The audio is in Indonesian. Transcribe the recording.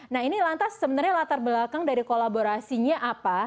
nah ini lantas sebenarnya latar belakang dari kolaborasinya apa